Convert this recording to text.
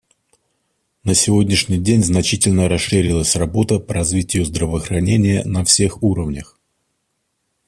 На сегодняшний день значительно расширилась работа по развитию здравоохранения на всех уровнях.